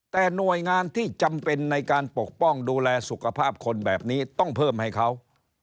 แต่หน่วยงานที่จำเป็นในการปกป้องดูแลสุขภาพคนแบบนี้ต้องเพิ่มให้เขา